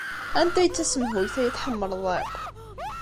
Anta ay d tasemhuyt ay tḥemmleḍ akk?